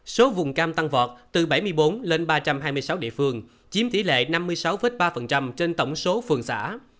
số vùng cam tăng vọt từ bảy mươi bốn lên ba trăm hai mươi sáu địa phương chiếm tỷ lệ năm mươi sáu ba trên tổng số phường xã